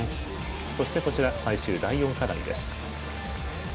そして最終、第４課題です。